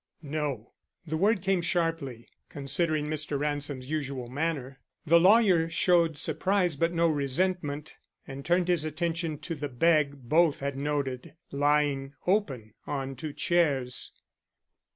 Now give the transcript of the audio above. "No." The word came sharply, considering Mr. Ransom's usual manner. The lawyer showed surprise but no resentment, and turned his attention to the bag both had noted lying open on two chairs.